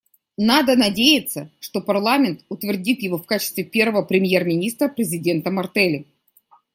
Надо надеяться, что парламент утвердит его в качестве первого премьер-министра президента Мартелли.